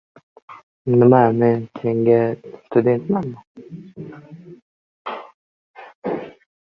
Nima, men senga studentmanmi?